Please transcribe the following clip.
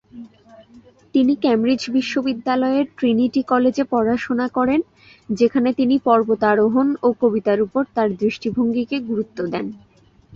তিনি ক্যামব্রিজ বিশ্ববিদ্যালয়ের ট্রিনিটি কলেজে পড়াশোনা করেন, যেখানে তিনি পর্বতারোহণ ও কবিতার উপর তার দৃষ্টিভঙ্গিকে গুরুত্ব দেন।